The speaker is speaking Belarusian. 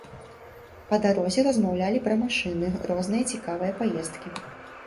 Па дарозе размаўлялі пра машыны, розныя цікавыя паездкі.